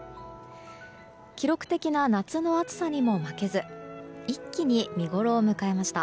記録的な夏の暑さにも負けず一気に見ごろを迎えました。